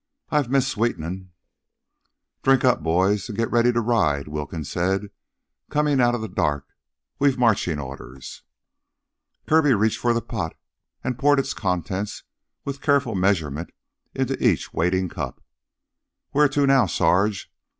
"I've missed sweetenin'." "Drink up, boys, and get ready to ride," Wilkins said, coming out of the dark. "We've marchin' orders." Kirby reached for the pot and poured its contents, with careful measurement, into each waiting cup. "Wheah to now, Sarge?